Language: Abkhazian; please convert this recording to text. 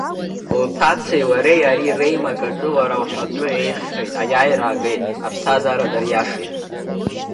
Лҭацеи лареи ари реимак аҿы лара лҳәатәы еиӷьхеит, аиааира агеит, аԥсҭаазара дариашеит.